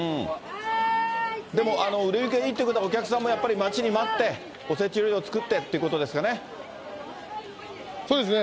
でも売れ行きはいいっていうのは、お客さんもやっぱり待ちに待って、おせち料理を作ってということですかね。